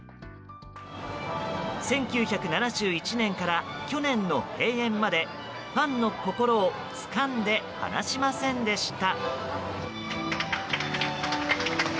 １９７１年から去年の閉園までファンの心をつかんで離しませんでした。